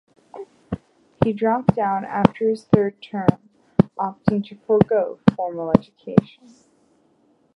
He dropped out after his third term, opting to forgo formal education.